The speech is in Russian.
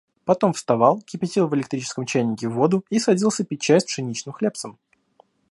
Потом вставал, кипятил в электрическом чайнике воду и садился пить чай с пшеничным хлебцем.